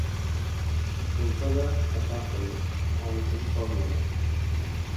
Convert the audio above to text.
Qish bo‘lsada, hashar qildi, hovlisini sozladi.